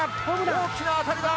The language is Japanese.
大きな当たりだ！